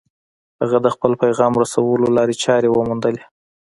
هغه د خپل پيغام رسولو لارې چارې وموندلې.